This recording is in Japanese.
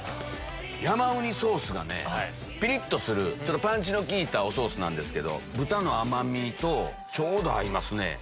山ウニソースがねピリっとするパンチの効いたおソースなんですけど豚の甘みとちょうど合いますね。